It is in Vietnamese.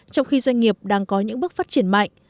trong khi doanh nghiệp đang có những bước phát triển mạnh